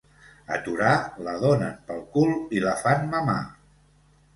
A Torà, la donen pel cul i la fan mamar.